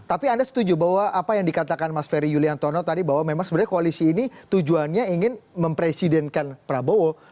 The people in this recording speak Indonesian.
tapi anda setuju bahwa apa yang dikatakan mas ferry yuliantono tadi bahwa memang sebenarnya koalisi ini tujuannya ingin mempresidenkan prabowo